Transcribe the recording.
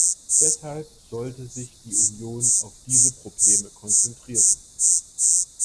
Deshalb sollte sich die Union auf diese Probleme konzentrieren.